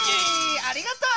ありがとう！